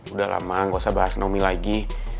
udah lama gak usah bahas nomi lagi